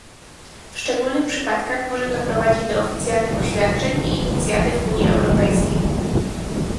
W szczególnych przypadkach może to prowadzić do oficjalnych oświadczeń i inicjatyw Unii Europejskiej